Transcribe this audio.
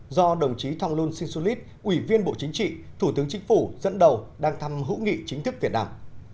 do đồng chí thong lun sinh sulit ủy viên bộ chính trị thủ tướng chính phủ dẫn đầu đăng thăm hữu nghị chính thức việt nam